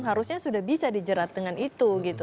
harusnya sudah bisa dijerat dengan itu gitu